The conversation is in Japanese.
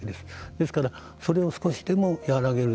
ですから、それを少しでも和らげる。